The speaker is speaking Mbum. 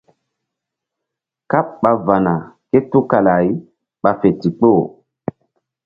Káɓ ɓa va̧na ké tukala-ay ɓa fe ndikpo.